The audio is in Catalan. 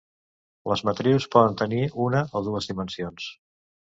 Les matrius poden tenir una o dues dimensions.